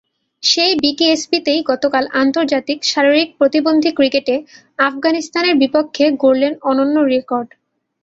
সেই বিকেএসপিতেই গতকাল আন্তর্জাতিক শারীরিক প্রতিবন্ধী ক্রিকেটে আফগানিস্তানের বিপক্ষে গড়লেন অনন্য রেকর্ড।